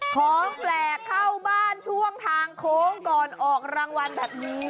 ของแปลกเข้าบ้านช่วงทางโค้งก่อนออกรางวัลแบบนี้